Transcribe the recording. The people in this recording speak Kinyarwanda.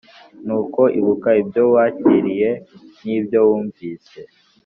Nuko ibuka ibyo w kiriye n ibyo wumvise